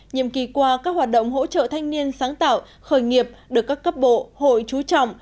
nhiệm kỳ qua các hoạt động hỗ trợ thanh niên sáng tạo khởi nghiệp được các cấp bộ hội trú trọng